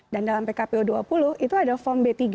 dan dalam pkpu dua puluh itu ada form b tiga